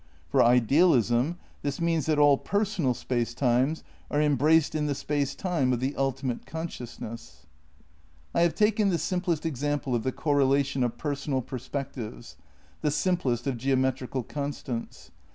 For idealism this means that all personal space times are embraced in the Space Time of the ultimate con sciousness. I have taken the simplest example of the correlation of personal perspectives, the simplest of geometrical constants.